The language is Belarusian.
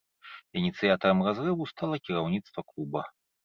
Ініцыятарам разрыву стала кіраўніцтва клуба.